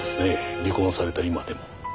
離婚された今でも。